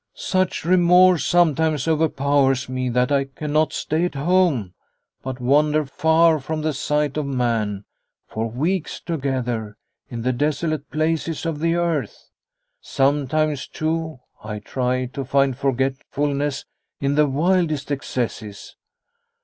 Such remorse sometimes overpowers me that I cannot stay at home, but wander far from the sight of man, for weeks together, in the desolate places of the earth. Sometimes, too, I try to find forgetful ness in the wildest excesses.